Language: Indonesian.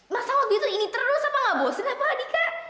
masa waktu itu ini terus apa nggak bosen apa dika